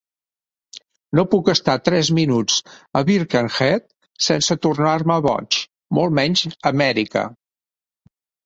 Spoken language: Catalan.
No puc estar tres minuts a Birkenhead sense tornar-me boig, molt menys Amèrica.